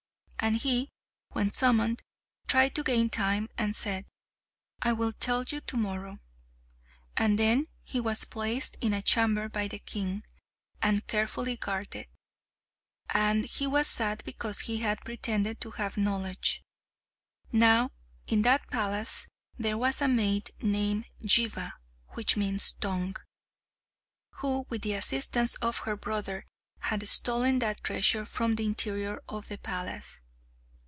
And he, when summoned, tried to gain time, and said, "I will tell you to morrow," and then he was placed in a chamber by the king, and carefully guarded. And he was sad because he had pretended to have knowledge. Now in that palace there was a maid named Jihva (which means Tongue), who, with the assistance of her brother, had stolen that treasure from the interior of the palace.